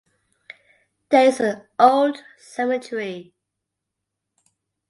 There is an old cemetery.